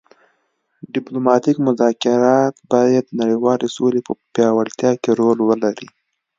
ډیپلوماتیک مذاکرات باید د نړیوالې سولې په پیاوړتیا کې رول ولري